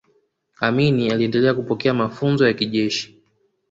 amini aliendelea kupokea mafunzo ya kijeshi